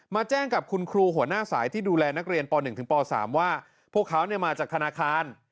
แจ้งกับคุณครูหัวหน้าสายที่ดูแลนักเรียนป๑ถึงป๓ว่าพวกเขามาจากธนาคาร